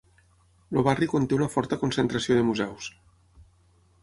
El barri conté una forta concentració de museus.